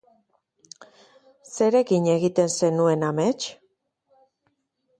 Zerekin egiten zenuen amets?